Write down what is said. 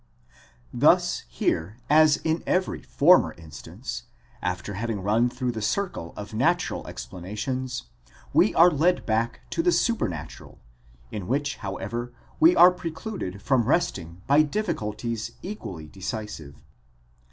Thus here, as in every former instance, after having run through the circle of natural explanations, we are led back to the supernatural; in which, how ever, we are precluded from resting by difficulties equally decisive.